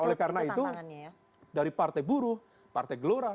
oleh karena itu dari partai buruh partai gelora